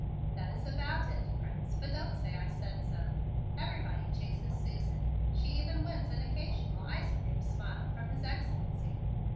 "That is about it, Prince, but don't say I said so. Everybody chases Susan. She even wins an occasional ice cream smile from His Excellency.